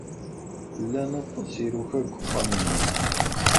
Llan aṭas n yiruka deg uxxam-nni.